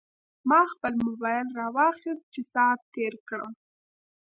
ما خپل موبایل راواخیست چې ساعت تېر کړم.